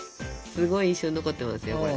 すごい印象に残ってますよこれ。